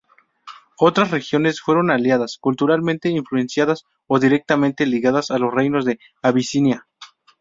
Otras regiones fueron aliadas, culturalmente influenciadas o directamente ligadas a los reinos de Abisinia.